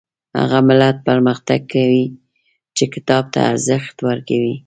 هغه ملت پرمختګ کوي چې کتاب ته ارزښت ورکوي